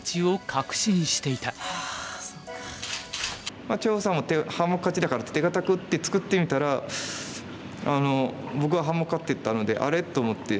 まあ張栩さんも半目勝ちだからって手堅く打って作ってみたら僕が半目勝ってたので「あれ？」と思って。